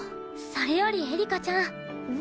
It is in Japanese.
それよりエリカちゃん。